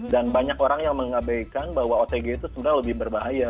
dan banyak orang yang mengabaikan bahwa otg itu sebenarnya lebih berbahaya